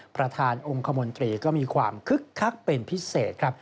ประธานองค์คมนตรีก็มีความคึกคักเป็นพิเศษครับ